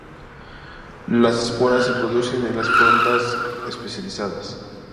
Las esporas se producen en las frondas especializadas.